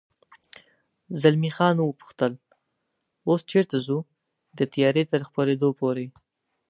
زلمی خان و پوښتل: اوس چېرې ځو؟ د تیارې تر خپرېدو پورې.